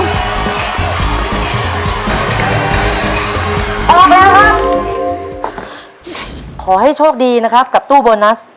ออกแล้วครับขอให้โชคดีนะครับกับตู้โบนัส